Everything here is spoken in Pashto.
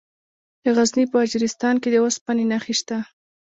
د غزني په اجرستان کې د اوسپنې نښې شته.